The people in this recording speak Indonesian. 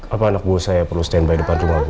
apa anak buah saya perlu stand by depan rumah bu